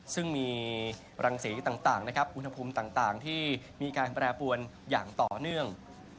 ซึ่งมีรังสีต่างนะครับอุณหภูมิต่างที่มีการแปรปวนอย่างต่อเนื่อง